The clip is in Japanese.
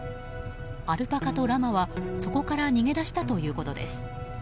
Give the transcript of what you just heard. アルパカとラマは、そこから逃げ出したということです。